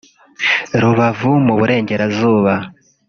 Rubavu mu Burengerazuba